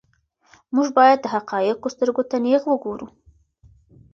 موږ باید د حقایقو سترګو ته نیغ وګورو.